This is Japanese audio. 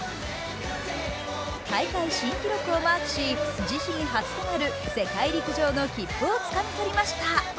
大会新記録をマークし自身初となる世界陸上の切符をつかみ取りました。